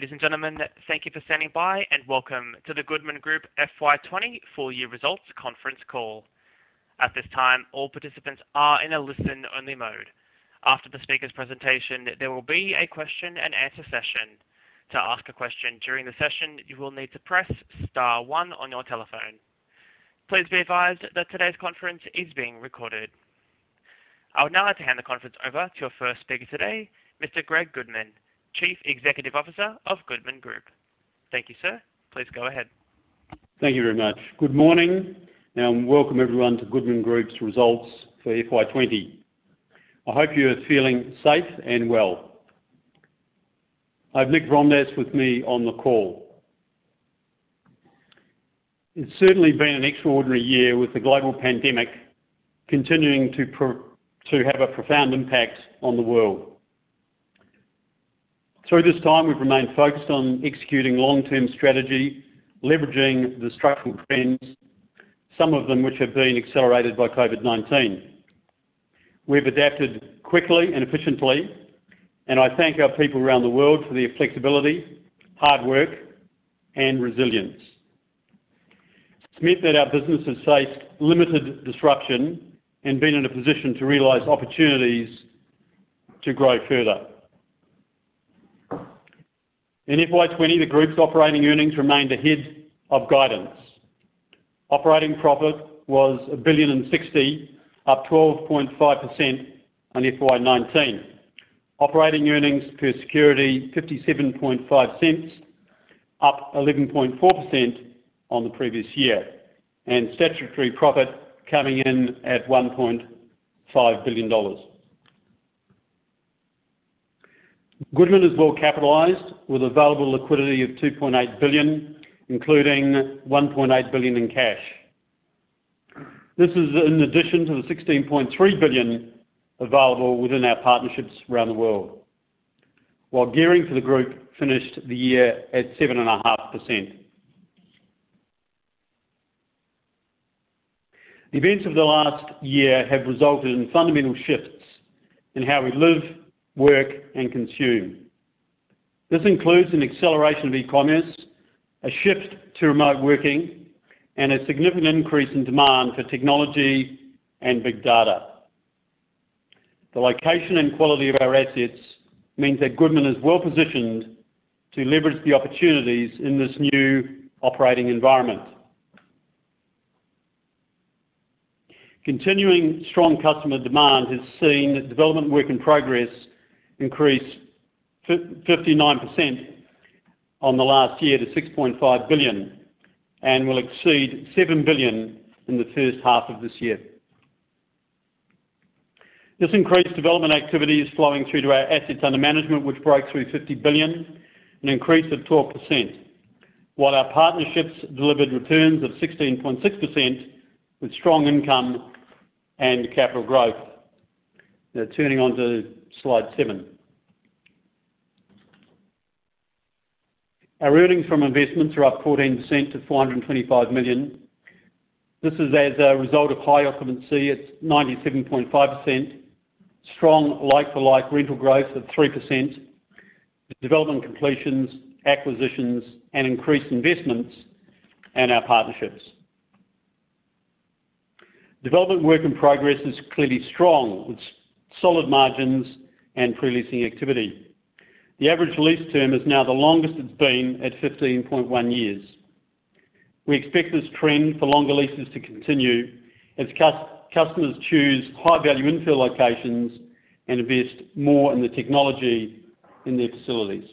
Ladies and gentlemen, thank you for standing by and welcome to the Goodman Group FY 2020 Full Year Results Conference Call. At this time, all participants are in a listen only mode. After the speaker's presentation, there will be a question and answer session. To ask a question during the session, you will need to press star one on your telephone. Please be advised that today's conference is being recorded. I would now like to hand the conference over to your first speaker today, Mr. Greg Goodman, Chief Executive Officer of Goodman Group. Thank you, sir. Please go ahead. Thank you very much. Good morning, and welcome everyone to Goodman Group's results for FY 2020. I hope you are feeling safe and well. I have Nick Vrondas with me on the call. It's certainly been an extraordinary year with the global pandemic continuing to have a profound impact on the world. Through this time, we've remained focused on executing long-term strategy, leveraging the structural trends, some of them which have been accelerated by COVID-19. We've adapted quickly and efficiently, and I thank our people around the world for their flexibility, hard work, and resilience. It's meant that our business has faced limited disruption and been in a position to realize opportunities to grow further. In FY 2020, the group's operating earnings remained ahead of guidance. Operating profit was 1.06 billion, up 12.5% on FY 2019. Operating earnings per security 0.575, up 11.4% on the previous year. Statutory profit coming in at 1.5 billion dollars. Goodman is well capitalized with available liquidity of 2.8 billion, including 1.8 billion in cash. This is in addition to the 16.3 billion available within our partnerships around the world. Gearing for the group finished the year at 7.5%. The events of the last year have resulted in fundamental shifts in how we live, work, and consume. This includes an acceleration of e-commerce, a shift to remote working, and a significant increase in demand for technology and big data. The location and quality of our assets means that Goodman is well-positioned to leverage the opportunities in this new operating environment. Continuing strong customer demand has seen development work in progress increase 59% on the last year to 6.5 billion and will exceed 7 billion in the first half of this year. This increased development activity is flowing through to our Assets Under Management which broke through 50 billion, an increase of 12%, while our partnerships delivered returns of 16.6% with strong income and capital growth. Now turning onto slide seven. Our earnings from investments are up 14% to 425 million. This is as a result of high occupancy at 97.5%, strong like-for-like rental growth of 3%, development completions, acquisitions, and increased investments in our partnerships. Development work in progress is clearly strong with solid margins and pre-leasing activity. The average lease term is now the longest it's been at 15.1 years. We expect this trend for longer leases to continue as customers choose high-value infill locations and invest more in the technology in their facilities.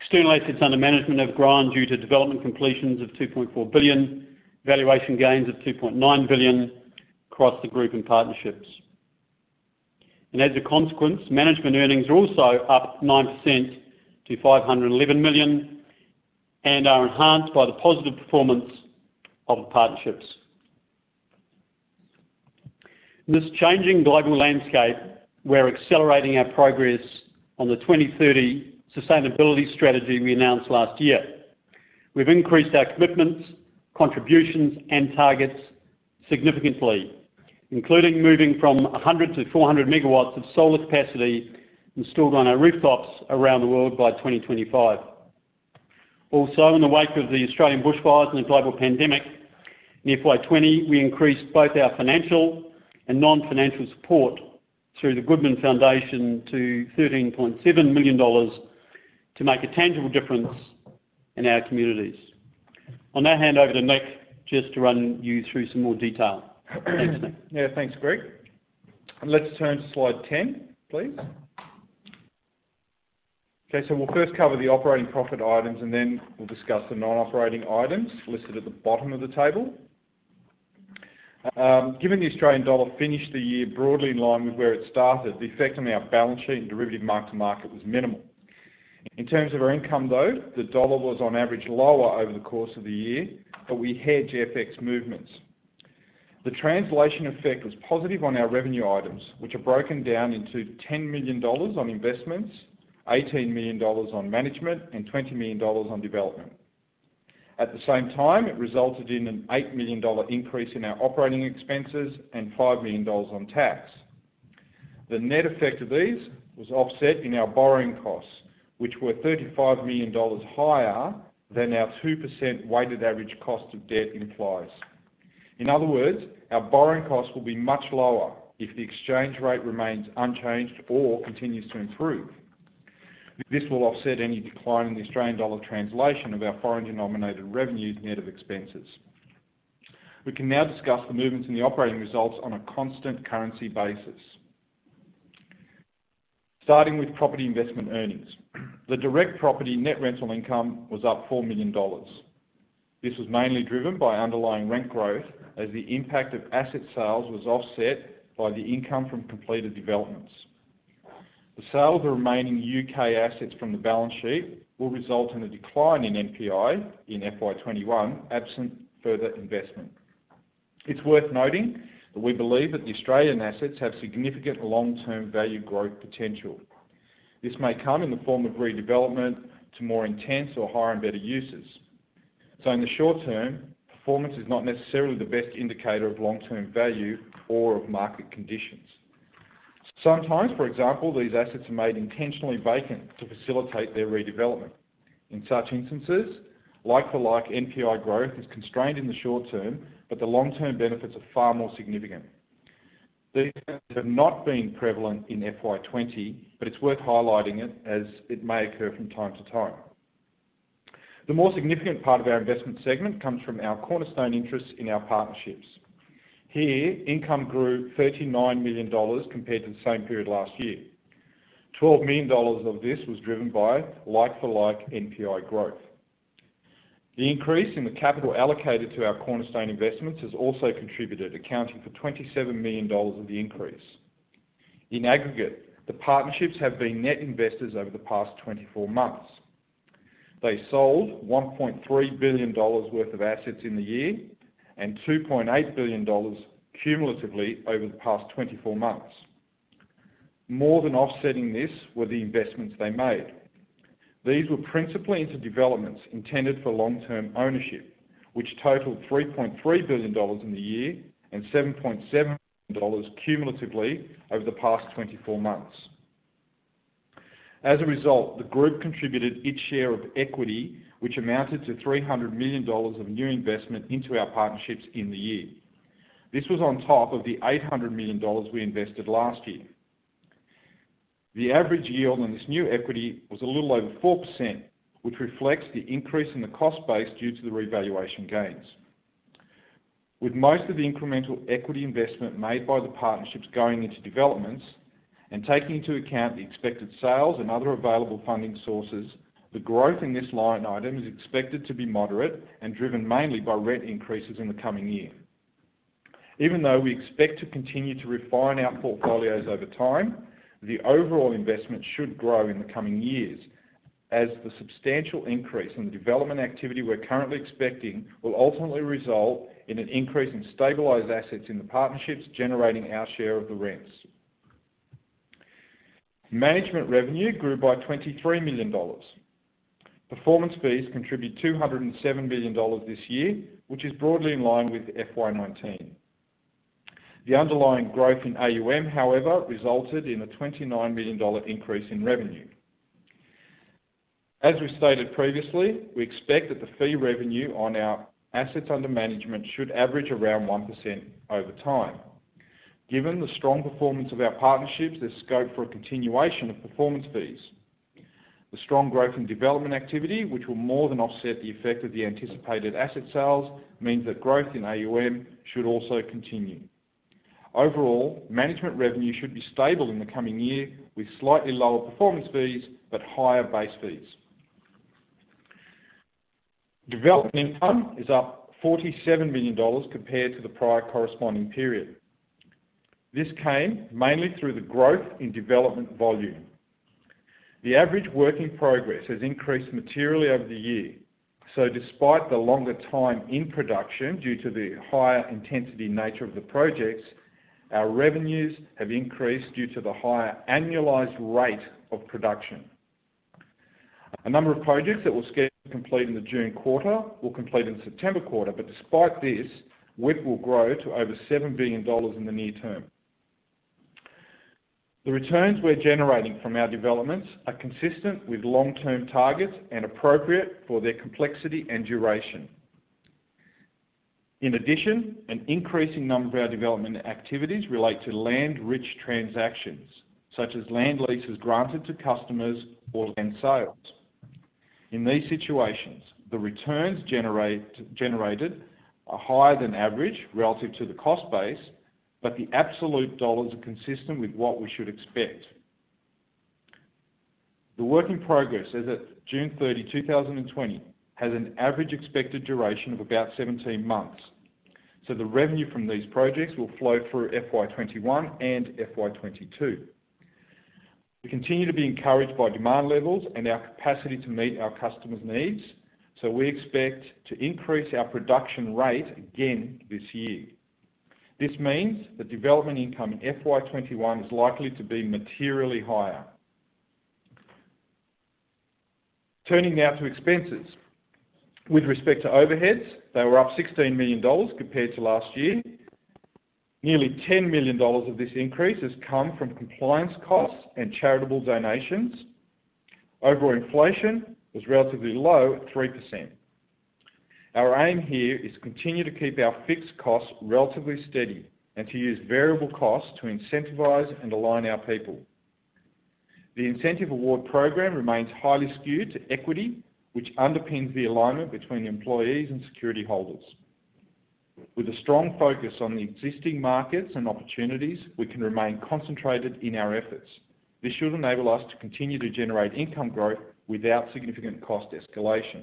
External Assets Under Management have grown due to development completions of 2.4 billion, valuation gains of 2.9 billion across the Group and partnerships. As a consequence, management earnings are also up 9% to 511 million and are enhanced by the positive performance of the partnerships. In this changing global landscape, we're accelerating our progress on the 2030 sustainability strategy we announced last year. We've increased our commitments, contributions, and targets significantly, including moving from 100 to 400 MW of solar capacity installed on our rooftops around the world by 2025. In the wake of the Australian bushfires and the global pandemic, in FY 2020, we increased both our financial and non-financial support through the Goodman Foundation to 13.7 million dollars to make a tangible difference in our communities. I'll now hand over to Nick just to run you through some more detail. Thanks, Nick. Yeah. Thanks, Greg. Let's turn to slide 10, please. Okay, we'll first cover the operating profit items, and then we'll discuss the non-operating items listed at the bottom of the table. Given the Australian dollar finished the year broadly in line with where it started, the effect on our balance sheet and derivative mark-to-market was minimal. In terms of our income, though, the dollar was on average lower over the course of the year, but we hedged FX movements. The translation effect was positive on our revenue items, which are broken down into 10 million dollars on investments, 18 million dollars on management, and 20 million dollars on development. At the same time, it resulted in an 8 million dollar increase in our operating expenses and 5 million dollars on tax. The net effect of these was offset in our borrowing costs, which were 35 million dollars higher than our 2% weighted average cost of debt implies. In other words, our borrowing costs will be much lower if the exchange rate remains unchanged or continues to improve. This will offset any decline in the Australian dollar translation of our foreign-denominated revenues net of expenses. We can now discuss the movements in the operating results on a constant currency basis. Starting with property investment earnings. The direct property net rental income was up 4 million dollars. This was mainly driven by underlying rent growth as the impact of asset sales was offset by the income from completed developments. The sale of the remaining U.K. assets from the balance sheet will result in a decline in NPI in FY 2021, absent further investment. It's worth noting that we believe that the Australian assets have significant long-term value growth potential. This may come in the form of redevelopment to more intense or higher and better uses. In the short term, performance is not necessarily the best indicator of long-term value or of market conditions. Sometimes, for example, these assets are made intentionally vacant to facilitate their redevelopment. In such instances, like-for-like NPI growth is constrained in the short term, but the long-term benefits are far more significant. These have not been prevalent in FY 2020, but it's worth highlighting it, as it may occur from time to time. The more significant part of our investment segment comes from our cornerstone interest in our partnerships. Here, income grew 39 million dollars compared to the same period last year. 12 million dollars of this was driven by like-for-like NPI growth. The increase in the capital allocated to our cornerstone investments has also contributed, accounting for 27 million dollars of the increase. In aggregate, the partnerships have been net investors over the past 24 months. They sold AUD 1.3 billion worth of assets in the year and AUD 2.8 billion cumulatively over the past 24 months. More than offsetting this were the investments they made. These were principally into developments intended for long-term ownership, which totaled AUD 3.3 billion in the year and AUD 7.7 billion cumulatively over the past 24 months. A result, the group contributed its share of equity, which amounted to 300 million dollars of new investment into our partnerships in the year. This was on top of the 800 million dollars we invested last year. The average yield on this new equity was a little over 4%, which reflects the increase in the cost base due to the revaluation gains with most of the incremental equity investment made by the partnerships going into developments and taking into account the expected sales and other available funding sources, the growth in this line item is expected to be moderate and driven mainly by rent increases in the coming year. Even though we expect to continue to refine our portfolios over time, the overall investment should grow in the coming years as the substantial increase in the development activity we're currently expecting will ultimately result in an increase in stabilized assets in the partnerships generating our share of the rents. Management revenue grew by 23 million dollars. Performance fees contribute 207 million dollars this year, which is broadly in line with FY 2019. The underlying growth in AUM, however, resulted in an 29 million dollar increase in revenue. As we stated previously, we expect that the fee revenue on our Assets Under Management should average around 1% over time. Given the strong performance of our partnerships, there's scope for a continuation of performance fees. The strong growth in development activity, which will more than offset the effect of the anticipated asset sales, means that growth in AUM should also continue. Overall, management revenue should be stable in the coming year, with slightly lower performance fees but higher base fees. Development income is up 47 million dollars compared to the prior corresponding period. This came mainly through the growth in development volume. The average work in progress has increased materially over the year, so despite the longer time in production due to the higher intensity nature of the projects, our revenues have increased due to the higher annualized rate of production. A number of projects that were scheduled to complete in the June quarter will complete in the September quarter, but despite this, WIP will grow to over 7 billion dollars in the near term. The returns we're generating from our developments are consistent with long-term targets and appropriate for their complexity and duration. In addition, an increasing number of our development activities relate to land-rich transactions, such as land leases granted to customers or land sales. In these situations, the returns generated are higher than average relative to the cost base, but the absolute dollars are consistent with what we should expect. The work in progress as at June 30, 2020, has an average expected duration of about 17 months, so the revenue from these projects will flow through FY 2021 and FY 2022. We continue to be encouraged by demand levels and our capacity to meet our customers' needs, so we expect to increase our production rate again this year. This means the development income in FY 2021 is likely to be materially higher. Turning now to expenses with respect to overheads, they were up 16 million dollars compared to last year. Nearly 10 million dollars of this increase has come from compliance costs and charitable donations. Overall inflation was relatively low at 3%. Our aim here is to continue to keep our fixed costs relatively steady and to use variable costs to incentivize and align our people. The Incentive Award Program remains highly skewed to equity, which underpins the alignment between employees and security holders. With a strong focus on the existing markets and opportunities, we can remain concentrated in our efforts. This should enable us to continue to generate income growth without significant cost escalation.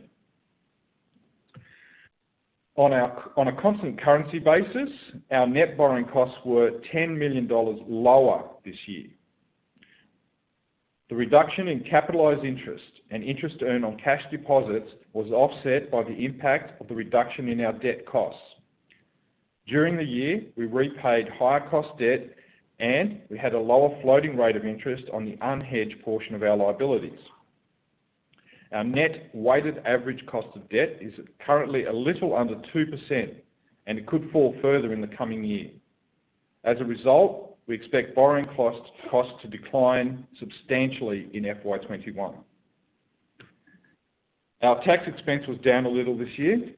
On a constant currency basis, our net borrowing costs were 10 million dollars lower this year. The reduction in capitalized interest and interest earned on cash deposits was offset by the impact of the reduction in our debt costs. During the year, we repaid higher cost debt, and we had a lower floating rate of interest on the unhedged portion of our liabilities. Our net weighted average cost of debt is currently a little under 2%, and it could fall further in the coming year. As a result, we expect borrowing costs to decline substantially in FY 2021. Our tax expense was down a little this year.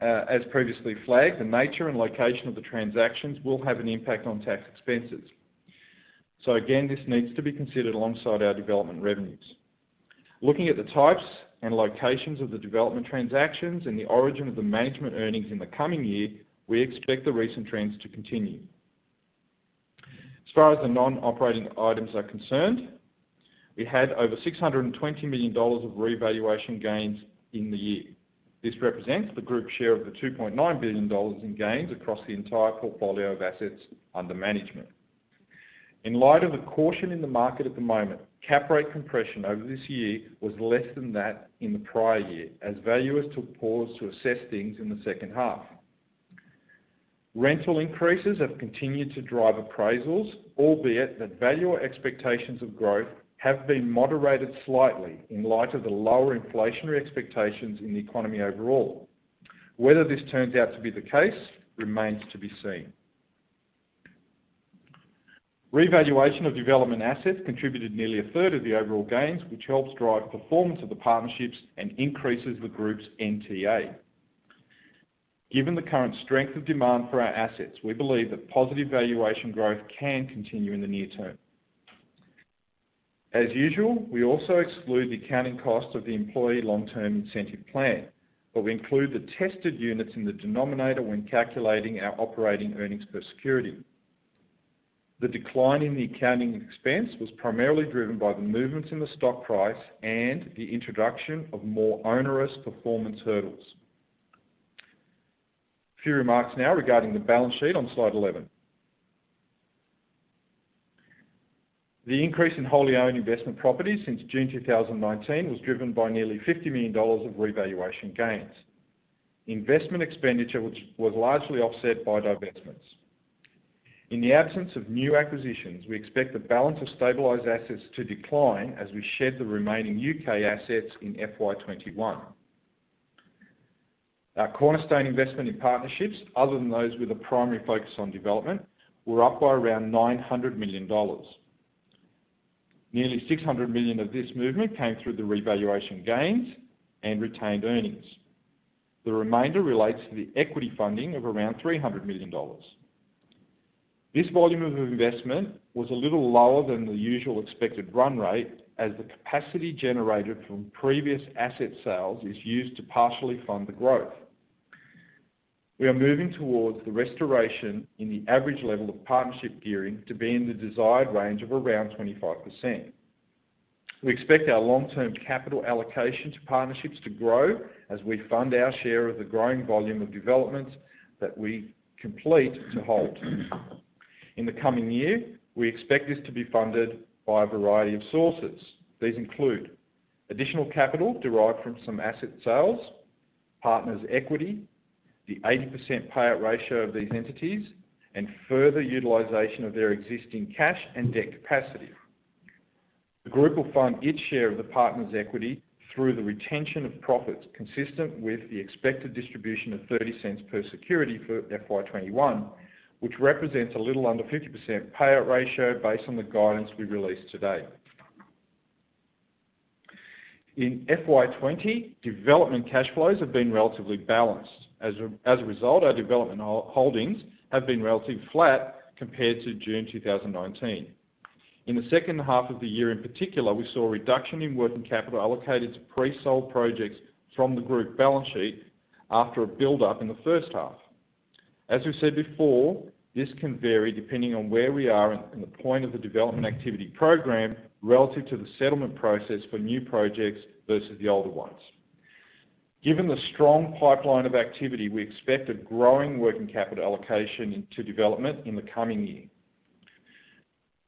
As previously flagged, the nature and location of the transaction will have an impact on tax expenses. Again, this needs to be considered alongside our development revenues. Looking at the types and locations of the development transactions and the origin of the management earnings in the coming year, we expect the recent trends to continue. As far as the non-operating items are concerned, we had over 620 million dollars of revaluation gains in the year. This represents the group share of the 2.9 billion dollars in gains across the entire portfolio of Assets Under Management. In light of the caution in the market at the moment, cap rate compression over this year was less than that in the prior year, as valuers took pause to assess things in the second half. Rental increases have continued to drive appraisals, albeit that valuer expectations of growth have been moderated slightly in light of the lower inflationary expectations in the economy overall. Whether this turns out to be the case remains to be seen. Revaluation of development assets contributed nearly a third of the overall gains, which helps drive performance of the partnerships and increases the Group's NTA. Given the current strength of demand for our assets, we believe that positive valuation growth can continue in the near term. As usual, we also exclude the accounting cost of the employee long-term incentive plan, but we include the tested units in the denominator when calculating our operating earnings per security. The decline in the accounting expense was primarily driven by the movements in the stock price and the introduction of more onerous performance hurdles. A few remarks now regarding the balance sheet on slide 11. The increase in wholly owned investment properties since June 2019 was driven by nearly 50 million dollars of revaluation gains. Investment expenditure, which was largely offset by divestments. In the absence of new acquisitions, we expect the balance of stabilized assets to decline as we shed the remaining U.K. assets in FY 2021. Our cornerstone investment in partnerships, other than those with a primary focus on development, were up by around 900 million dollars. Nearly 600 million of this movement came through the revaluation gains and retained earnings. The remainder relates to the equity funding of around 300 million dollars. This volume of investment was a little lower than the usual expected run rate, as the capacity generated from previous asset sales is used to partially fund the growth. We are moving towards the restoration in the average level of partnership gearing to be in the desired range of around 25%. We expect our long-term capital allocation to partnerships to grow as we fund our share of the growing volume of developments that we complete to hold. In the coming year, we expect this to be funded by a variety of sources. These include additional capital derived from some asset sales, partners' equity, the 80% payout ratio of these entities, and further utilization of their existing cash and debt capacity. The group will fund its share of the partners' equity through the retention of profits, consistent with the expected distribution of 0.30 per security for FY 2021, which represents a little under 50% payout ratio based on the guidance we released today. In FY 2020, development cash flows have been relatively balanced. As a result, our development holdings have been relatively flat compared to June 2019. In the second half of the year in particular, we saw a reduction in working capital allocated to pre-sold projects from the group balance sheet after a buildup in the first half. As we've said before, this can vary depending on where we are in the point of the development activity program relative to the settlement process for new projects versus the older ones. Given the strong pipeline of activity, we expect a growing working capital allocation to development in the coming year.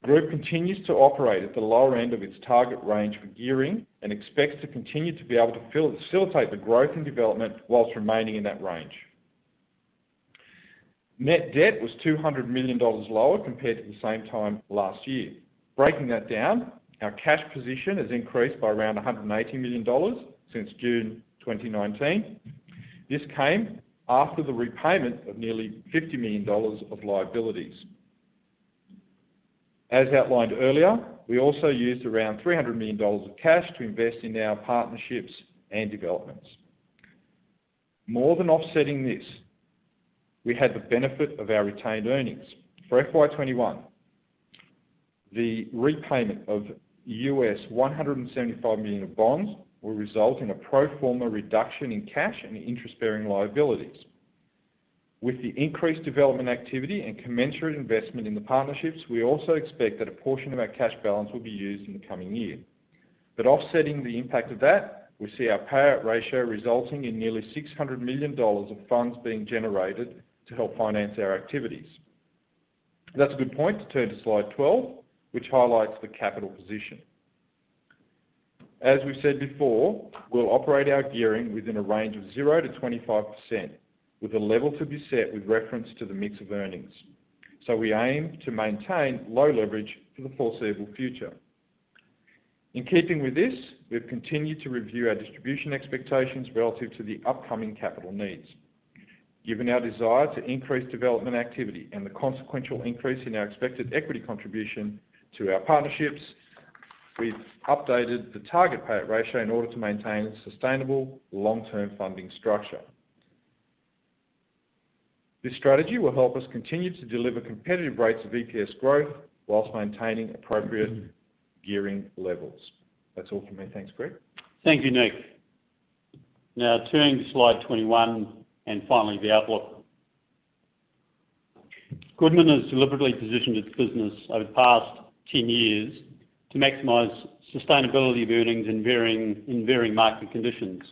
The group continues to operate at the lower end of its target range for gearing and expects to continue to be able to facilitate the growth and development whilst remaining in that range. Net debt was 200 million dollars lower compared to the same time last year. Breaking that down, our cash position has increased by around 180 million dollars since June 2019. This came after the repayment of nearly 50 million dollars of liabilities. As outlined earlier, we also used around 300 million dollars of cash to invest in our partnerships and developments more than offsetting this, we had the benefit of our retained earnings. For FY 2021, the repayment of U.S. $175 million of bonds will result in a pro forma reduction in cash and interest-bearing liabilities. With the increased development activity and commensurate investment in the partnerships, we also expect that a portion of our cash balance will be used in the coming year. Offsetting the impact of that, we see our payout ratio resulting in nearly 600 million dollars of funds being generated to help finance our activities. That's a good point to turn to slide 12, which highlights the capital position. As we have said before, we will operate our gearing within a range of 0%-25%, with the level to be set with reference to the mix of earnings. We aim to maintain low leverage for the foreseeable future. In keeping with this, we've continued to review our distribution expectations relative to the upcoming capital needs. Given our desire to increase development activity and the consequential increase in our expected equity contribution to our partnerships, we've updated the target payout ratio in order to maintain a sustainable long-term funding structure. This strategy will help us continue to deliver competitive rates of EPS growth while maintaining appropriate gearing levels. That's all from me. Thanks, Greg. Thank you, Nick. Turning to slide 21 and finally the outlook. Goodman has deliberately positioned its business over the past 10 years to maximize sustainability of earnings in varying market conditions.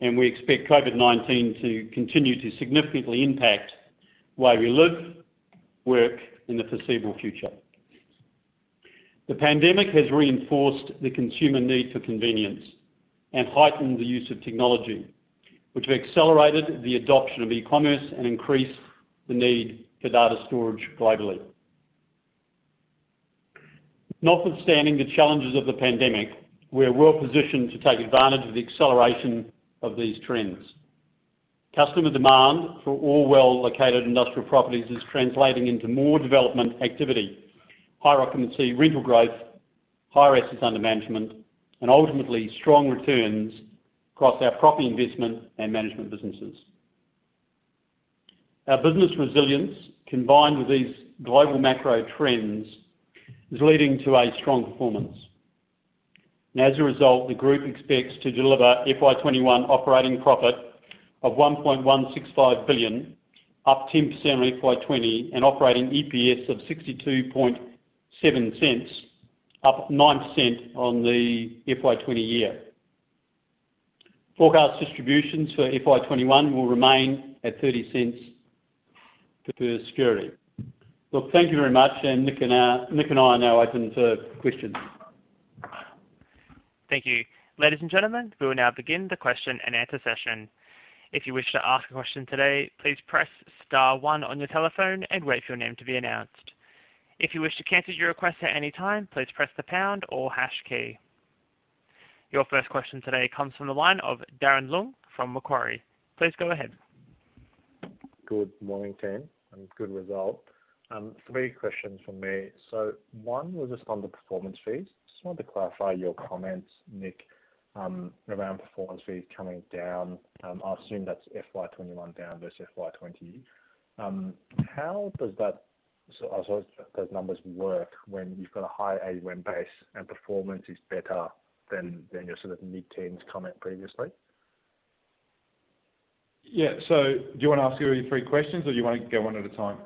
We expect COVID-19 to continue to significantly impact the way we live, work in the foreseeable future. The pandemic has reinforced the consumer need for convenience and heightened the use of technology, which have accelerated the adoption of e-commerce and increased the need for data storage globally. Notwithstanding the challenges of the pandemic, we're well-positioned to take advantage of the acceleration of these trends. Customer demand for all well-located industrial properties is translating into more development activity, high occupancy rental growth, higher Assets Under Management, and ultimately strong returns across our property investment and management businesses. Our business resilience, combined with these global macro trends, is leading to a strong performance. As a result, the group expects to deliver FY 2021 operating profit of 1.165 billion, up 10% on FY 2020, and operating EPS of 0.627, up 9% on the FY2020 year. Forecast distributions for FY 2021 will remain at 0.30 per security. Well, thank you very much. Nick and I are now open to questions. Thank you. Ladies and gentlemen, we will now begin the question and answer session. If you wish to ask a question today, please press star one on your telephone and wait for your name to be announced. If you wish to cancel your request at any time, please press the pound or hash key. Your first question today comes from the line of Darren Leung from Macquarie. Please go ahead. Good morning, team, and good result. Three questions from me. One was just on the performance fees. Just wanted to clarify your comments, Nick, around performance fees coming down. I'll assume that's FY 2021 down versus FY 2020. How does those numbers work when you've got a higher AUM base and performance is better than your mid-teens comment previously? Yeah. Do you want to ask all your three questions or do you want to go one at a time?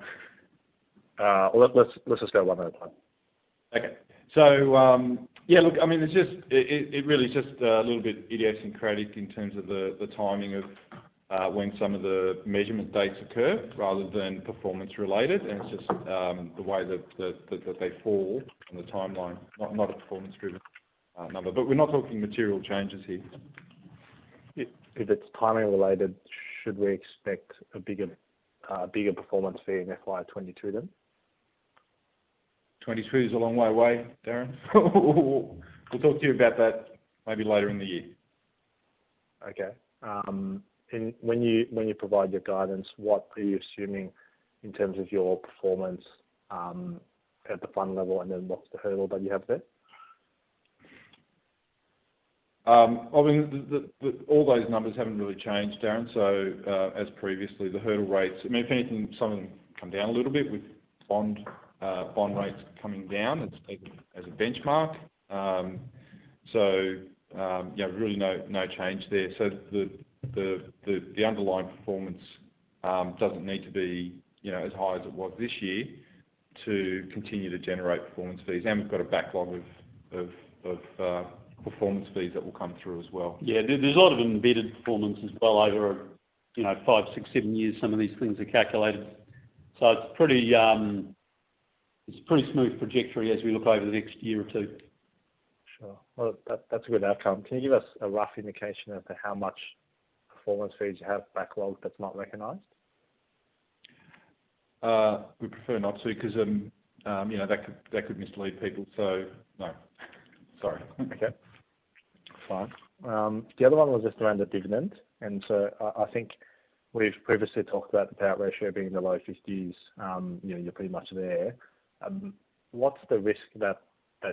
Let's just go one at a time. Okay. Yeah, look, it really is just a little bit idiosyncratic in terms of the timing of when some of the measurement dates occur rather than performance related, and it's just the way that they fall on the timeline, not a performance-driven number. We're not talking material changes here. If it's timing related, should we expect a bigger performance fee in FY 2022, then? 2022 is a long way away, Darren. We'll talk to you about that maybe later in the year. Okay. When you provide your guidance, what are you assuming in terms of your performance at the fund level, and then what's the hurdle that you have there? All those numbers haven't really changed, Darren. As previously, the hurdle rates, if anything, some of them come down a little bit with bond rates coming down as a benchmark. Really no change there. The underlying performance doesn't need to be as high as it was this year to continue to generate performance fees. We've got a backlog of performance fees that will come through as well. Yeah. There's a lot of embedded performance as well over five, six, seven years, some of these things are calculated. It's a pretty smooth trajectory as we look over the next year or two. Sure. Well, that's a good outcome. Can you give us a rough indication as to how much performance fees you have backlog that's not recognized? We prefer not to because, that could mislead people. No. Sorry. Okay. Fine. The other one was just around the dividend. I think we've previously talked about the payout ratio being in the low 50s. You're pretty much there. What's the risk that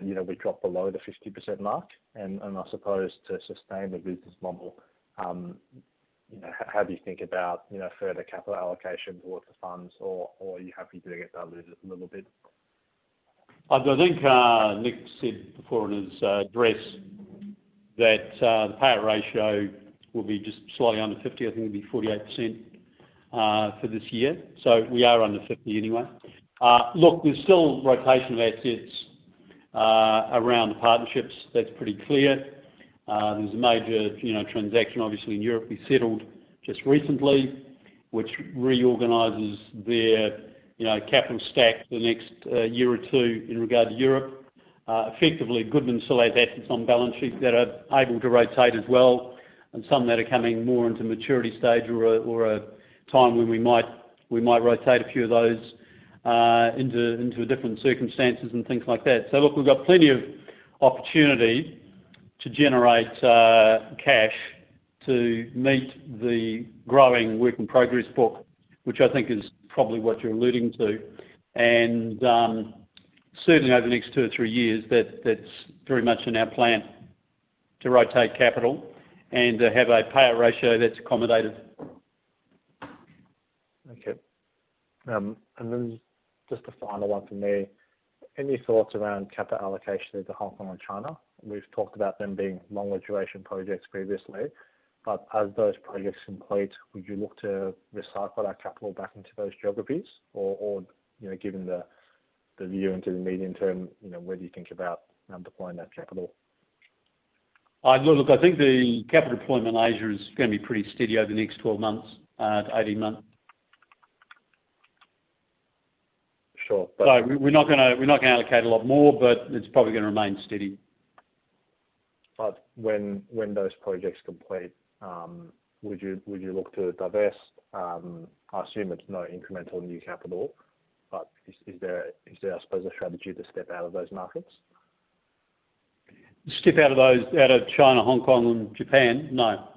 we drop below the 50% mark and I suppose to sustain the business model, how do you think about further capital allocations with the funds or are you happy to let that lose a little bit? I think Nick said before in his address that the payout ratio will be just slightly under 50. I think it'll be 48% for this year. We are under 50 anyway. Look, there's still rotation of assets around the partnerships, that's pretty clear. There's a major transaction obviously in Europe we settled just recently, which reorganizes their capital stack for the next year or two in regard to Europe. Effectively, Goodman still has assets on balance sheet that are able to rotate as well, and some that are coming more into maturity stage or a time when we might rotate a few of those into different circumstances and things like that. Look, we've got plenty of opportunity to generate cash to meet the growing work-in-progress book, which I think is probably what you're alluding to. Certainly over the next two or three years, that's very much in our plan to rotate capital and to have a payout ratio that's accommodative. Okay. Just a final one from me. Any thoughts around capital allocation into Hong Kong and China? We've talked about them being longer duration projects previously, but as those projects complete, would you look to recycle that capital back into those geographies? Given the view into the medium term, where do you think about deploying that capital? Look, I think the capital deployment in Asia is going to be pretty steady over the next 12 months to 18 months. Sure. We're not going to allocate a lot more, but it's probably going to remain steady. When those projects complete, would you look to divest? I assume it's not incremental new capital, but is there, I suppose, a strategy to step out of those markets? Step out of those, out of China, Hong Kong, and Japan? No.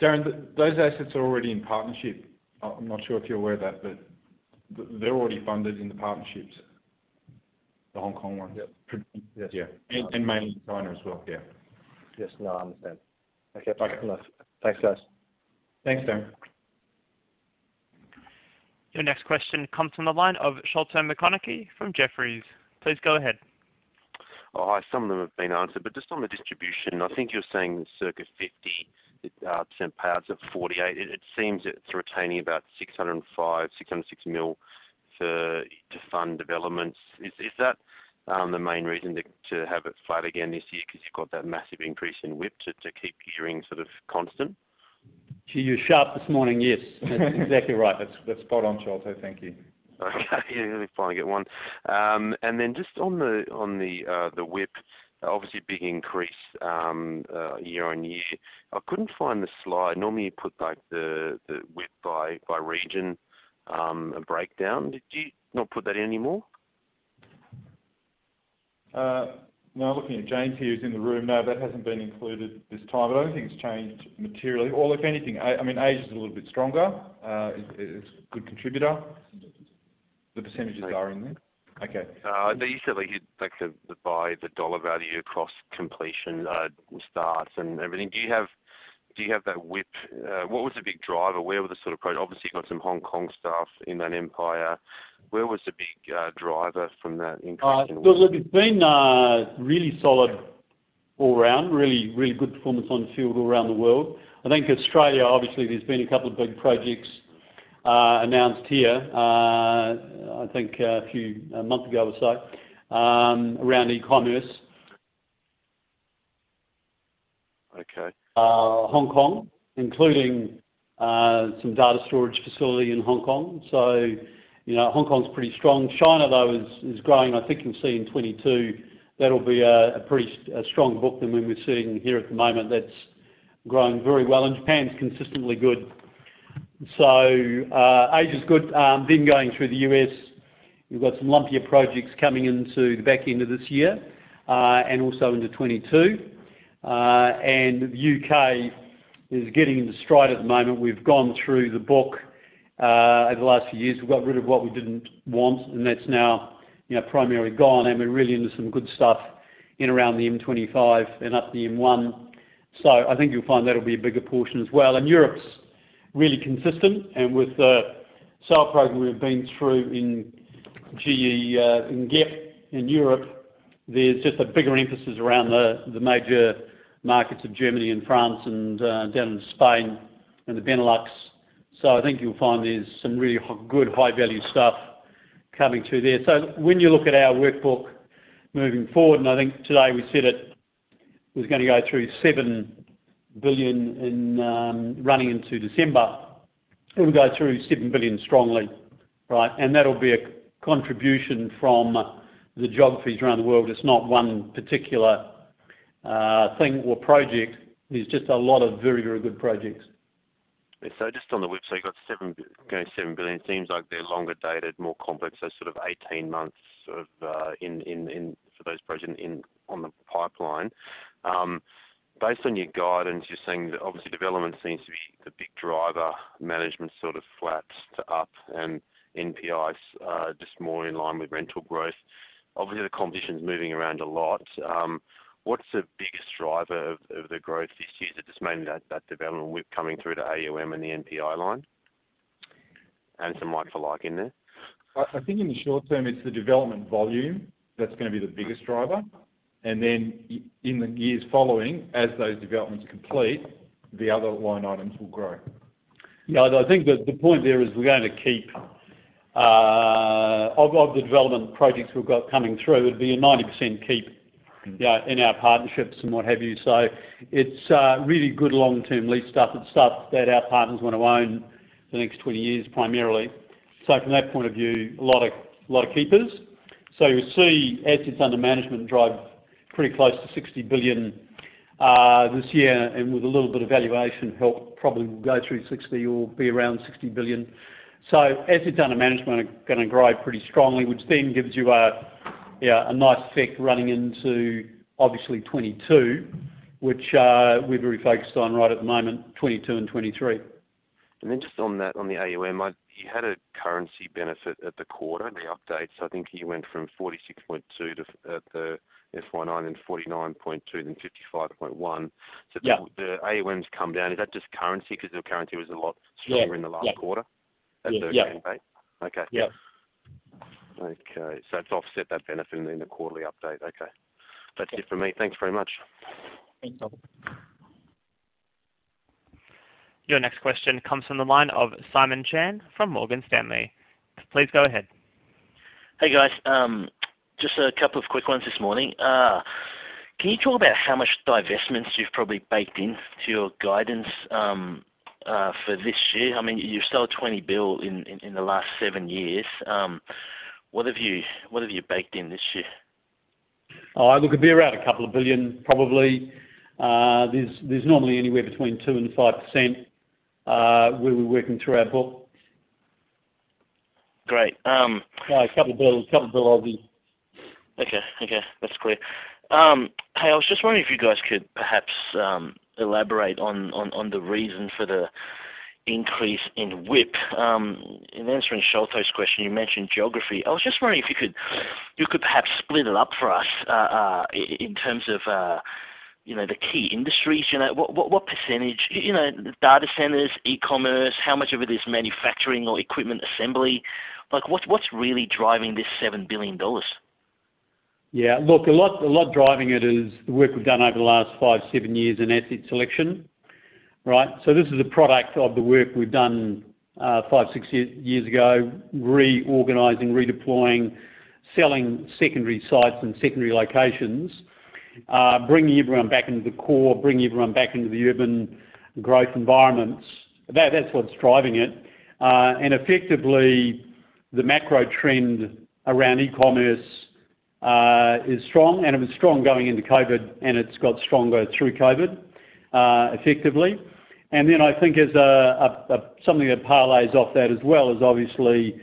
Darren, those assets are already in partnership. I'm not sure if you're aware of that, but they're already funded in the partnerships. The Hong Kong ones. Yep. Yeah. Mainly China as well. Yeah. Yes. No, I understand. Okay. Thanks guys. Thanks Darren. Your next question comes from the line of Sholto Maconochie from Jefferies. Please go ahead. Hi. Some of them have been answered, but just on the distribution, I think you're saying circa 50% payouts of 48. It seems it's retaining about 605 million, 606 million to fund developments. Is that the main reason to have it flat again this year because you've got that massive increase in WIP to keep gearing sort of constant? You're sharp this morning. Yes. That's exactly right. That's spot on, Sholto. Thank you. Okay. Finally get one. Then just on the WIP, obviously big increase year on year. I couldn't find the slide. Normally, you put like the WIP by region, a breakdown. Do you not put that in anymore? No. I'm looking at James here, who's in the room. No, that hasn't been included this time, but I don't think it's changed materially, or if anything, Asia is a little bit stronger. It's a good contributor. The percentages are in there. Okay. Usually you'd like to divide the AUD value across completion, starts and everything. Do you have that WIP? What was the big driver? Where were the sort of? Obviously, you've got some Hong Kong stuff in that NPI. Where was the big driver from that increase in WIP? Look, it's been really solid all around, really good performance on field all around the world. I think Australia, obviously there's been a couple of big projects announced here. I think a month ago or so, around e-commerce. Okay. Hong Kong, including some data storage facility in Hong Kong. Hong Kong is pretty strong. China though is growing. I think you'll see in 2022 that'll be a strong book than when we're sitting here at the moment. That's growing very well. Japan's consistently good. Asia's good. Going through the U.S., we've got some lumpier projects coming into the back end of this year, and also into 2022. The U.K. is getting into stride at the moment. We've gone through the book. Over the last few years, we've got rid of what we didn't want, and that's now primarily gone, and we're really into some good stuff in around the M25 and up the M1. I think you'll find that'll be a bigger portion as well. Europe's really consistent and with the sale program we've been through in GEP, in Europe, there's just a bigger emphasis around the major markets of Germany and France and down in Spain and the Benelux. I think you'll find there's some really good high-value stuff coming through there. When you look at our workbook moving forward, I think today we said we're going to go through 7 billion running into December. We'll go through 7 billion strongly. Right. That'll be a contribution from the geographies around the world. It's not one particular thing or project, it's just a lot of very good projects. Just on the WIP, you've got going to 7 billion. Seems like they're longer dated, more complex, so sort of 18 months for those projects on the pipeline. Based on your guidance, you're saying that obviously development seems to be the big driver, management's sort of flat to up, and NPI is just more in line with rental growth. Obviously, the competition's moving around a lot. What's the biggest driver of the growth this year? Is it just mainly that development WIP coming through to AUM and the NPI line? Some like-for-like in there? I think in the short term, it's the development volume that's going to be the biggest driver. In the years following, as those developments complete, the other line items will grow. Yeah, I think that the point there is we're going to keep a lot of the development projects we've got coming through. It'd be a 90% keep. Yeah, in our partnerships and what have you. It's really good long-term lease stuff and stuff that our partners want to own for the next 20 years, primarily. From that point of view, a lot of keepers. You'll see Assets Under Management drive pretty close to 60 billion this year, and with a little bit of valuation help, probably will go through 60 or be around 60 billion. Assets Under Management are going to grow pretty strongly, which then gives you a nice effect running into obviously 2022, which we're very focused on right at the moment, 2022 and 2023. Just on that, on the AUM, you had a currency benefit at the quarter, the updates. I think you went from 46.2 at the FY 2019 to 49.2, then 55.1. Yeah. The AUM's come down. Is that just currency because the currency was a lot stronger? Yeah in the last quarter? Yeah. At the end date? Okay. Yeah. Okay. That's offset that benefit in the quarterly update, okay. That's it for me. Thanks very much. Thanks, Sholto. Your next question comes from the line of Simon Chan from Morgan Stanley. Please go ahead. Hey, guys. Just a couple of quick ones this morning. Can you talk about how much divestments you've probably baked into your guidance for this year? I mean, you've sold 20 billion in the last seven years. What have you baked in this year? Look, it'd be around a couple of billion, probably. There's normally anywhere between 2% and 5% where we're working through our book. Great. A couple bill Okay. That's clear. Hey, I was just wondering if you guys could perhaps elaborate on the reason for the increase in WIP. In answering Sholto's question, you mentioned geography. I was just wondering if you could perhaps split it up for us in terms of the key industries. What percentage, data centers, e-commerce, how much of it is manufacturing or equipment assembly? What's really driving this 7 billion dollars? Yeah, look, a lot driving it is the work we've done over the last five, seven years in asset selection. Right? This is a product of the work we've done five, six years ago, reorganizing, redeploying, selling secondary sites and secondary locations. Bringing everyone back into the core, bringing everyone back into the urban growth environments. That's what's driving it. Effectively, the macro trend around e-commerce is strong, and it was strong going into COVID-19, and it's got stronger through COVID-19, effectively. Then I think as something that parlays off that as well is obviously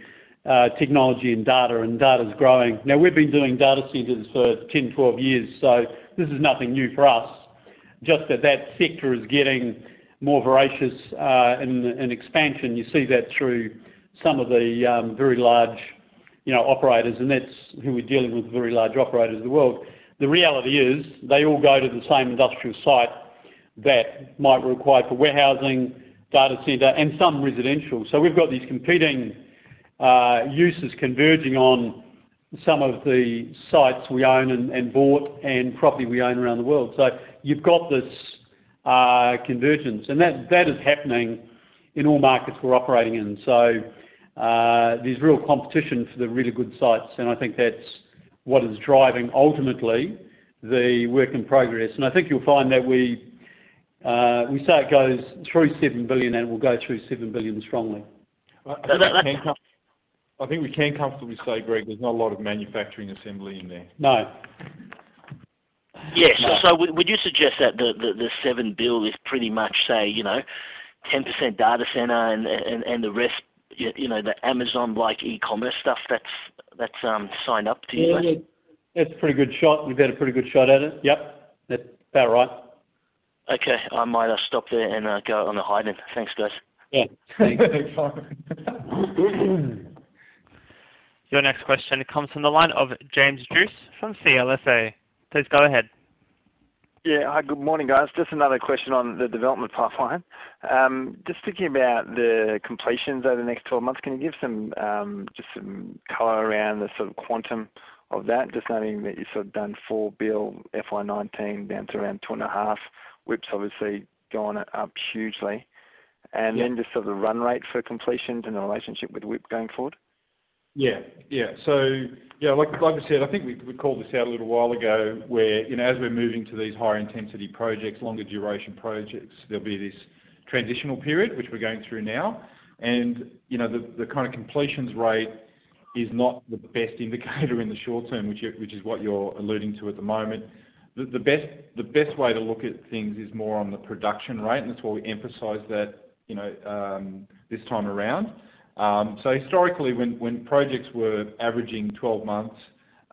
technology and data, and data's growing. Now, we've been doing data centers for 10, 12 years, so this is nothing new for us, just that that sector is getting more voracious in expansion. You see that through some of the very large operators, and that's who we're dealing with, the very large operators of the world. The reality is they all go to the same industrial site that might require for warehousing, data center, and some residential. We've got these competing uses converging on some of the sites we own and bought and property we own around the world. You've got this convergence, and that is happening in all markets we're operating in. There's real competition for the really good sites, and I think that's what is driving, ultimately, the work in progress. I think you'll find that we say it goes through 7 billion, and it will go through 7 billion strongly. I think we can comfortably say, Greg, there's not a lot of manufacturing assembly in there. No. Yeah. No. Would you suggest that the 7 billion is pretty much, say, 10% data center and the rest the Amazon-like e-commerce stuff that's signed up, do you guys? Yeah. That's a pretty good shot. You've had a pretty good shot at it, yep. That's about right. Okay. I might stop there and go on the hiding. Thanks, guys. Yeah. Thanks, Simon. Your next question comes from the line of James Druce from CLSA. Please go ahead. Hi, good morning, guys. Another question on the development pipeline. Thinking about the completions over the next 12 months, can you give some color around the sort of quantum of that? Knowing that you've sort of done 4 bill FY 2019, down to around two and a half. WIP's obviously gone up hugely. Yeah. Just sort of the run rate for completions and the relationship with WIP going forward? Like I said, I think we called this out a little while ago where as we're moving to these higher intensity projects, longer duration projects, there will be this transitional period, which we're going through now. The kind of completions rate is not the best indicator in the short term, which is what you're alluding to at the moment. The best way to look at things is more on the production rate, that's why we emphasize that this time around. Historically, when projects were averaging 12 months,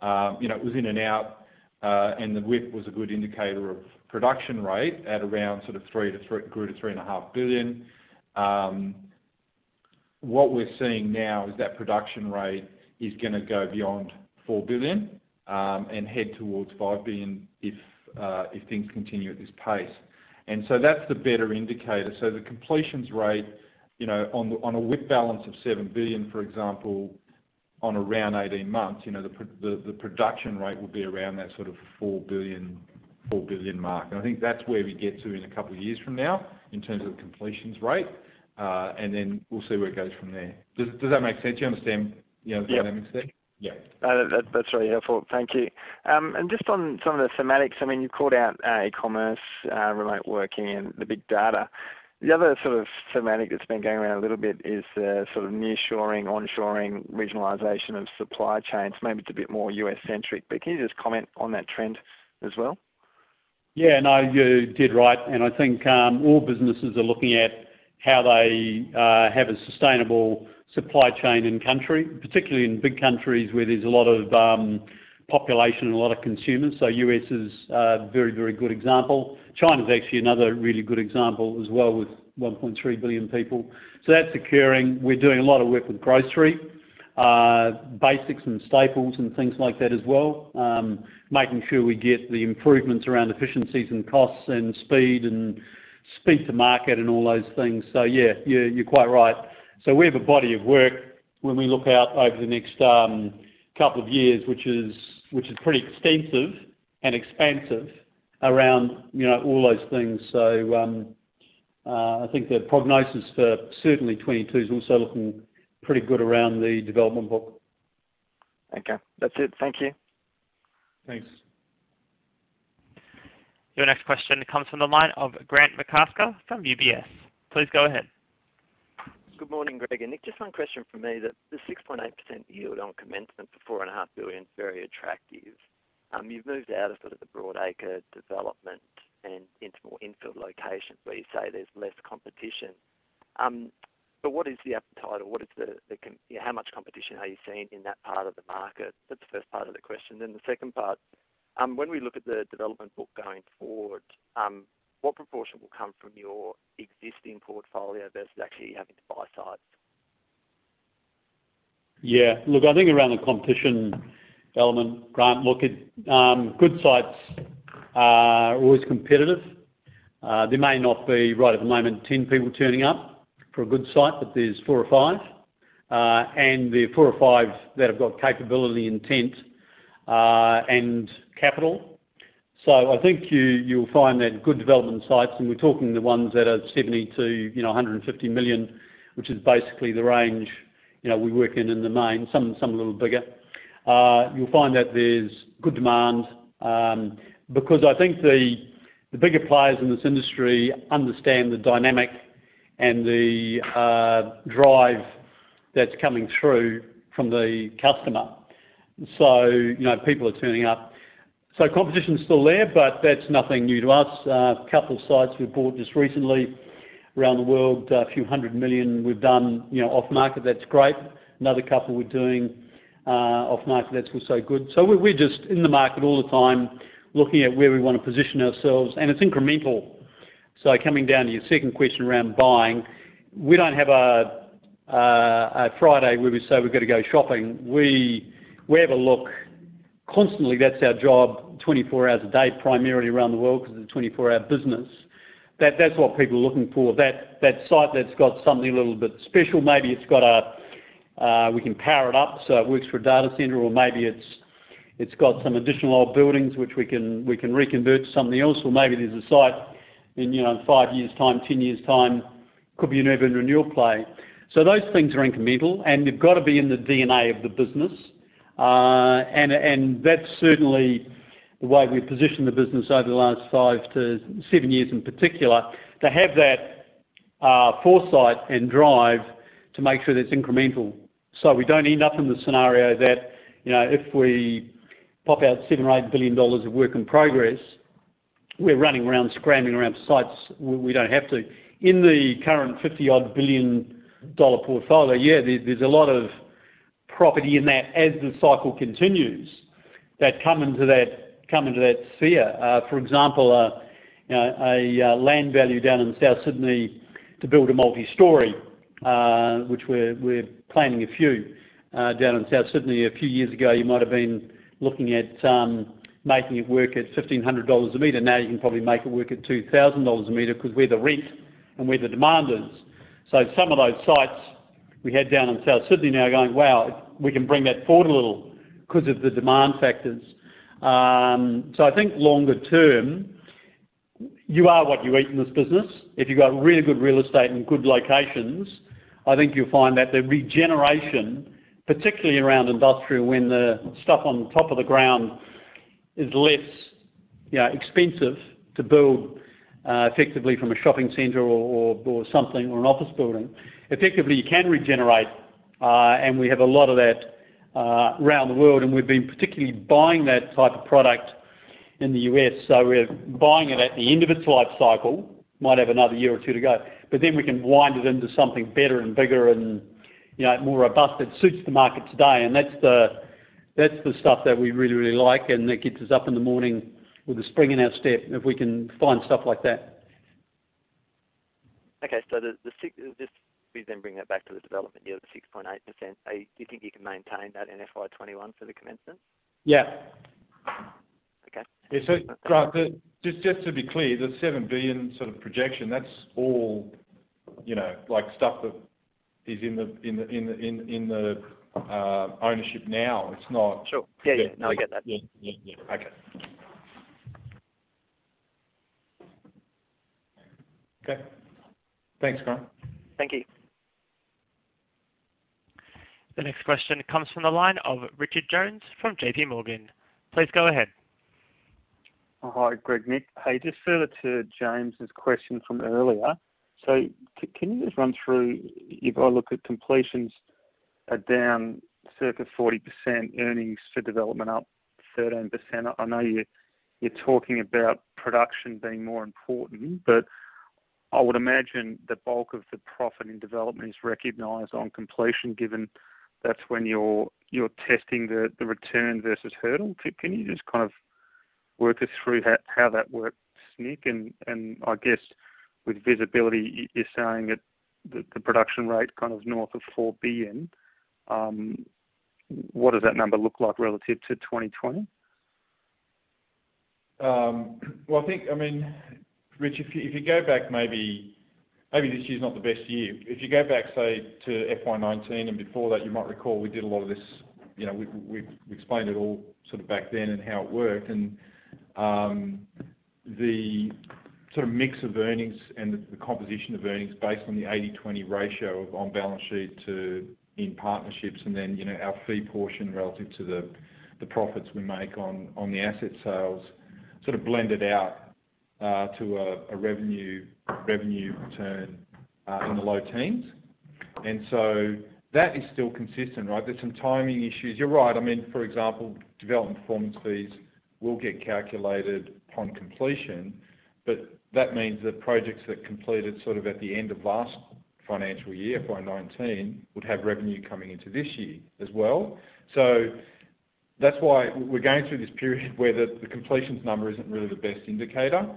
it was in and out, the WIP was a good indicator of production rate at around sort of 3 billion-3.5 billion. What we're seeing now is that production rate is going to go beyond 4 billion, and head towards 5 billion if things continue at this pace. That's the better indicator. The completions rate, on a WIP balance of 7 billion, for example, on around 18 months, the production rate will be around that sort of 4 billion mark. I think that's where we get to in 2 years from now in terms of the completions rate. Then we'll see where it goes from there. Does that make sense? You understand the dynamics there? Yeah. That's really helpful. Thank you. Just on some of the thematics, you called out e-commerce, remote working, and big data. The other sort of thematic that's been going around a little bit is the sort of near-shoring, on-shoring, regionalization of supply chains. Maybe it's a bit more U.S.-centric, can you just comment on that trend as well? Yeah. No, you did right. I think all businesses are looking at how they have a sustainable in-country supply chain, particularly in big countries where there's a lot of population and a lot of consumers. The U.S. is a very, very good example. China's actually another really good example as well, with 1.3 billion people. That's occurring. We're doing a lot of work with grocery, basics and staples and things like that as well, making sure we get the improvements around efficiencies and costs and speed, and speed to market and all those things. Yeah, you're quite right. We have a body of work when we look out over the next couple of years, which is pretty extensive and expansive around all those things. I think the prognosis for certainly 2022 is also looking pretty good around the development book. Okay. That's it. Thank you. Thanks. Your next question comes from the line of Grant McCasker from UBS. Please go ahead. Good morning, Greg and Nick. Just one question from me that the 6.8% yield on commencement for 4.5 billion is very attractive. You've moved out of sort of the broad acre development and into more infill locations where you say there's less competition. What is the appetite or how much competition are you seeing in that part of the market? That's the first part of the question. The second part, when we look at the development book going forward, what proportion will come from your existing portfolio versus actually having to buy sites? Look, I think around the competition element, Grant, look, good sites are always competitive. There may not be, right at the moment, 10 people turning up for a good site, but there's four or five, and the four or five that have got capability, intent, and capital. I think you'll find that good development sites, and we're talking the ones that are 70 million-150 million, which is basically the range we work in the main, some a little bigger. You'll find that there's good demand, because I think the bigger players in this industry understand the dynamic and the drive that's coming through from the customer. People are turning up. Competition's still there, but that's nothing new to us. A couple of sites we bought just recently around the world, a few hundred million AUD we've done off-market, that's great. Another couple we're doing off-market, that's also good. We're just in the market all the time, looking at where we want to position ourselves, and it's incremental. Coming down to your second question around buying, we don't have a Friday where we say we've got to go shopping. We have a look constantly. That's our job 24 hours a day, primarily around the world because it's a 24-hour business. That's what people are looking for, that site that's got something a little bit special. Maybe we can power it up so it works for a data center, or maybe it's got some additional old buildings which we can reconvert to something else. Or maybe there's a site in five years' time, 10 years' time, could be an urban renewal play. Those things are incremental, and they've got to be in the DNA of the business. That's certainly the way we've positioned the business over the last 5-7 years in particular, to have that foresight and drive to make sure that it's incremental. We don't end up in the scenario that if we pop out 7 billion-8 billion dollars of work in progress, we're running around scrambling around sites where we don't have to. In the current 50-odd billion dollar portfolio, yeah, there's a lot of property in that as the cycle continues that come into that sphere. For example, a land value down in South Sydney to build a multistory, which we're planning a few down in South Sydney. A few years ago, you might have been looking at making it work at 1,500 dollars a meter. Now you can probably make it work at 2,000 dollars a meter because we're the REIT and we're the demanders. Some of those sites we had down in South Sydney now are going, wow, we can bring that forward a little because of the demand factors. I think longer term. You are what you eat in this business. If you got really good real estate and good locations, I think you'll find that the regeneration, particularly around industrial, when the stuff on top of the ground is less expensive to build effectively from a shopping center or something, or an office building, effectively, you can regenerate. We have a lot of that around the world, and we've been particularly buying that type of product in the U.S. We're buying it at the end of its life cycle, might have another year or two to go, then we can wind it into something better and bigger and more robust that suits the market today. That's the stuff that we really, really like, and that gets us up in the morning with a spring in our step if we can find stuff like that. Okay. Just please then bring that back to the development yield of 6.8%. Do you think you can maintain that in FY 2021 for the commencement? Yeah. Okay. Yeah. Grant, just to be clear, the 7 billion projection, that's all stuff that is in the ownership now. Sure. Yeah, I get that. Yeah. Okay. Okay. Thanks, Grant. Thank you. The next question comes from the line of Richard Jones from JPMorgan. Please go ahead. Hi, Greg, Nick. Just further to James' question from earlier, can you just run through, if I look at completions are down circa 40%, earnings for development up 13%. I know you're talking about production being more important, but I would imagine the bulk of the profit in development is recognized on completion, given that's when you're testing the return versus hurdle. Can you just work us through how that works, Nick, and I guess with visibility, you're saying that the production rate north of 4 billion, what does that number look like relative to 2020? Rich, if you go back, maybe this year's not the best year. If you go back, say, to FY 2019 and before that, you might recall we did a lot of this. We explained it all back then and how it worked, and the mix of earnings and the composition of earnings based on the 80/20 ratio of on-balance sheet to in partnerships, and then our fee portion relative to the profits we make on the asset sales blended out to a revenue return in the low teens. That is still consistent, right? There's some timing issues. You're right. For example, development performance fees will get calculated upon completion, but that means that projects that completed at the end of last financial year, FY 2019, would have revenue coming into this year as well. That's why we're going through this period where the completions number isn't really the best indicator.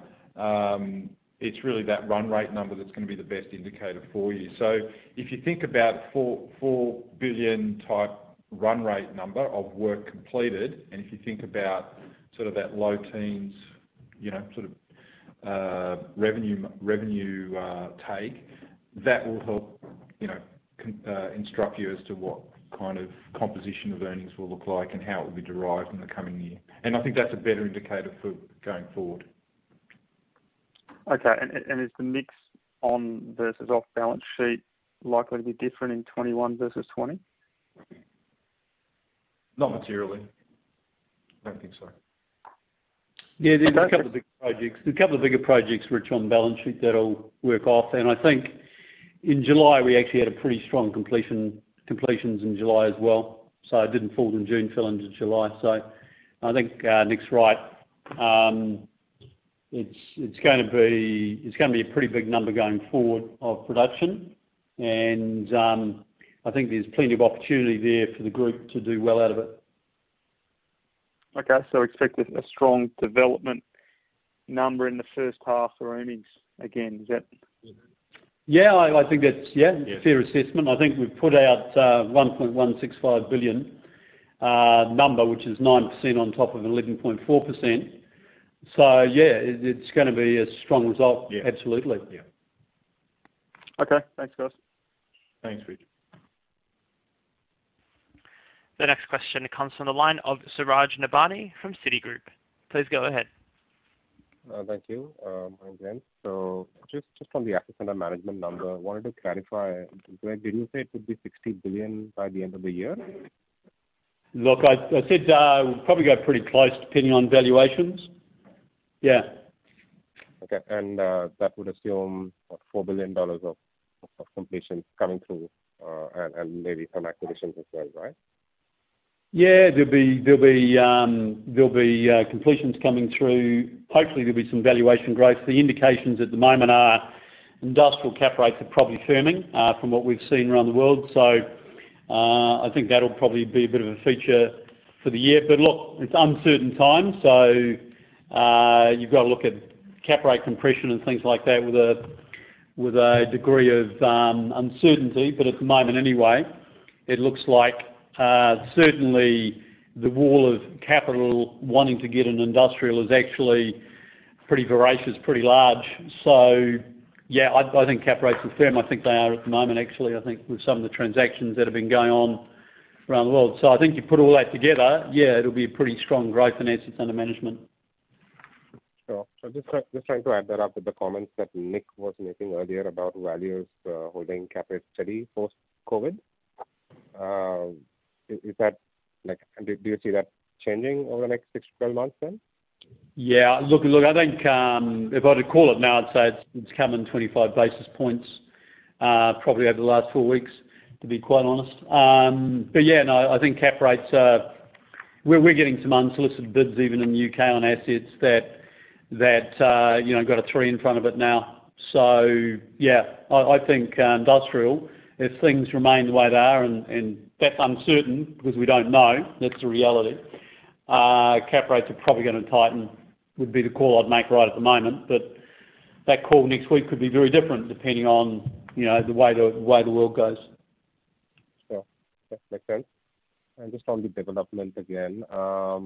It's really that run rate number that's going to be the best indicator for you. If you think about 4 billion type run rate number of work completed, and if you think about that low teens revenue take, that will help instruct you as to what composition of earnings will look like and how it will be derived in the coming year. I think that's a better indicator for going forward. Okay. Is the mix on versus off balance sheet likely to be different in 2021 versus 2020? Not materially. I don't think so. Yeah. There's a couple of bigger projects. Okay a couple of bigger projects, Rich, on balance sheet that'll work off. I think in July, we actually had a pretty strong completions in July as well. It didn't fall in June, fell into July. I think Nick's right. It's going to be a pretty big number going forward of production, and I think there's plenty of opportunity there for the group to do well out of it. Okay. Expect a strong development number in the first half for earnings again. Is that? Yeah. I think. Yeah a fair assessment. I think we've put out 1.165 billion number, which is 9% on top of 11.4%. Yeah, it's going to be a strong result. Yeah. Absolutely. Yeah. Okay. Thanks, guys. Thanks, Rich. The next question comes from the line of Suraj Nebhani from Citigroup. Please go ahead. Thank you. Morning, gents. Just on the AUM number, wanted to clarify, Greg, didn't you say it would be 60 billion by the end of the year? Look, I said we'll probably go pretty close depending on valuations. Yeah. Okay. That would assume what, 4 billion dollars of completions coming through and maybe some acquisitions as well, right? Yeah. There'll be completions coming through. Hopefully, there'll be some valuation growth. The indications at the moment are industrial cap rates are probably firming from what we've seen around the world. I think that'll probably be a bit of a feature for the year. Look, it's uncertain times, so you've got to look at cap rate compression and things like that with a degree of uncertainty. At the moment anyway, it looks like certainly the wall of capital wanting to get in industrial is actually pretty voracious, pretty large. Yeah, I think cap rates are firm. I think they are at the moment actually. I think with some of the transactions that have been going on around the world. I think you put all that together, yeah, it'll be a pretty strong growth in AUM. Sure. Just trying to add that up with the comments that Nick was making earlier about values holding cap rates steady post-COVID. Do you see that changing over the next 6-12 months then? Yeah, look, I think, if I had to call it now, I'd say it's come in 25 basis points, probably over the last four weeks, to be quite honest. Yeah, no, I think cap rates are We're getting some unsolicited bids even in the U.K. on assets that got a three in front of it now. Yeah, I think industrial, if things remain the way they are, and that's uncertain because we don't know, that's the reality, cap rates are probably going to tighten, would be the call I'd make right at the moment. That call next week could be very different depending on the way the world goes. Sure. That makes sense. Just on the development again, are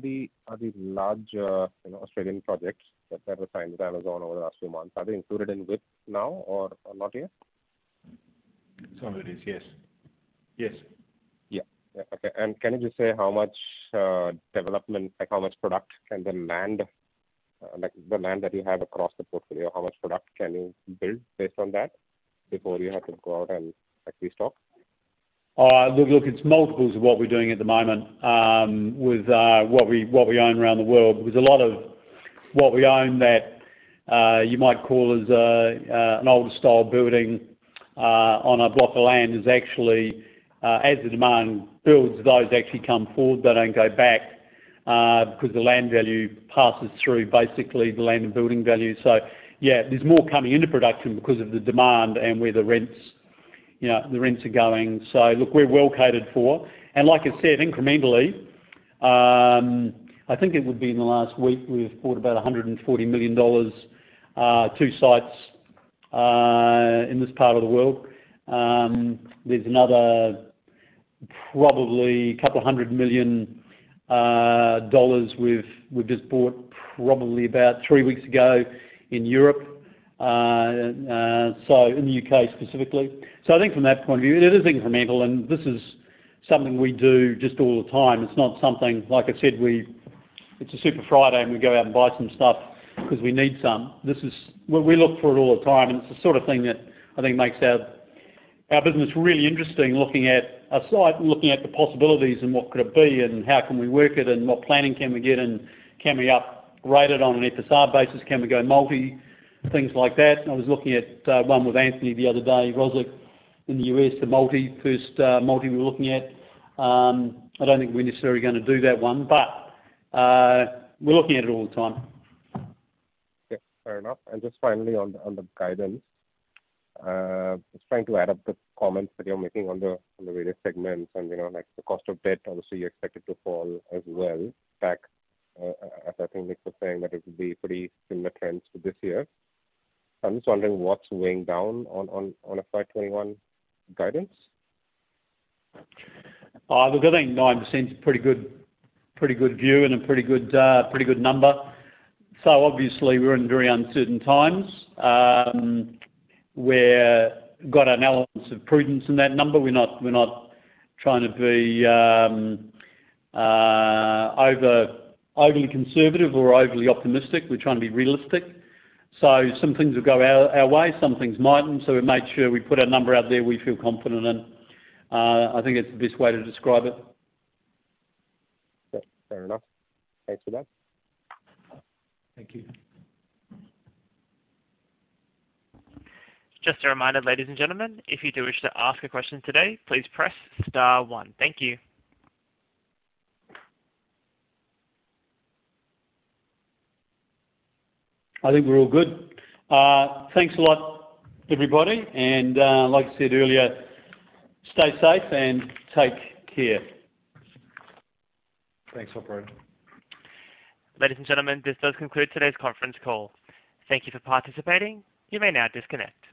the large Australian projects that were signed with Amazon over the last few months, are they included in WIP now or not yet? Some of it is, yes. Yeah. Okay, can you just say how much development, like how much product can the land that you have across the portfolio, how much product can you build based on that before you have to go out and restock? Look, it's multiples of what we're doing at the moment. With what we own around the world. A lot of what we own that you might call as an older style building on a block of land is actually, as the demand builds, those actually come forward. They don't go back. The land value passes through basically the land and building value. Yeah, there's more coming into production because of the demand and where the rents are going. Look, we're well catered for. Like I said, incrementally, I think it would be in the last week, we've bought about 140 million dollars, two sites, in this part of the world. There's another probably 200 million dollars we've just bought probably about three weeks ago in Europe, in the U.K. specifically. I think from that point of view, it is incremental and this is something we do just all the time. It's not something, like I said, it's a Super Friday and we go out and buy some stuff because we need some. We look for it all the time, and it's the sort of thing that I think makes our business really interesting, looking at a site and looking at the possibilities and what could it be and how can we work it and what planning can we get, and can we upgrade it on an FSR basis? Can we go multi? Things like that. I was looking at one with Anthony Rozic the other day, in the U.S., the first multi we're looking at. I don't think we're necessarily going to do that one, but we're looking at it all the time. Yeah. Fair enough. Just finally on the guidance. Just trying to add up the comments that you're making on the various segments and the cost of debt, obviously you expect it to fall as well back. As I think Nick was saying, that it would be pretty similar trends for this year. I'm just wondering what's weighing down on a FY 2021 guidance? Look, I think 9% is a pretty good view and a pretty good number. Obviously we're in very uncertain times. We've got an element of prudence in that number. We're not trying to be overly conservative or overly optimistic. We're trying to be realistic. Some things will go our way, some things mightn't. We made sure we put a number out there we feel confident in. I think it's the best way to describe it. Yep. Fair enough. Thanks for that. Thank you. Just a reminder, ladies and gentlemen, if you do wish to ask a question today, please press star one. Thank you. I think we're all good. Thanks a lot, everybody. Like I said earlier, stay safe and take care. Thanks, operator. Ladies and gentlemen, this does conclude today's conference call. Thank you for participating. You may now disconnect.